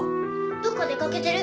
どっか出掛けてる。